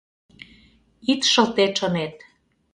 Ит шылте чынет.